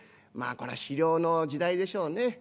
まあこれは狩猟の時代でしょうね。